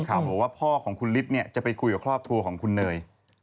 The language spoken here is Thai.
บอกว่าพ่อของคุณฤทธิ์จะไปคุยกับครอบครัวของคุณเนย